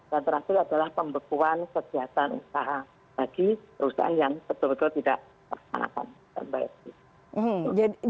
dan terakhir adalah pembekuan kegiatan usaha bagi perusahaan yang betul betul tidak akan membayar thr